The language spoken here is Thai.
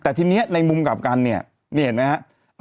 แต่ทีนี้ในมุมกลับกันเนี่ยนี่เห็นไหมฮะ